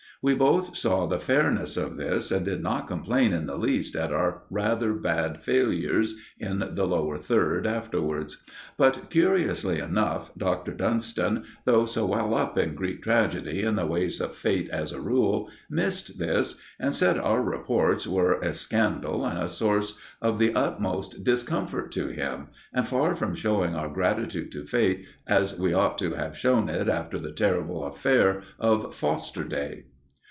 We both saw the fairness of this, and did not complain in the least at our rather bad failures in the Lower Third afterwards. But, curiously enough, Dr. Dunston, though so well up in Greek tragedy and the ways of Fate as a rule, missed this, and said our reports were a scandal and a source of the utmost discomfort to him, and far from showing our gratitude to Fate as we ought to have shown it after the terrible affair of "Foster Day."